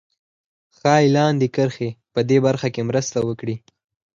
ښایي لاندې کرښې په دې برخه کې مرسته وکړي